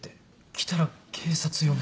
「来たら警察呼ぶ」